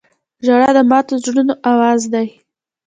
• ژړا د ماتو زړونو آواز دی.